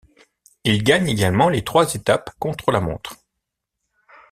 Il gagne également les trois étapes contre-la-montre.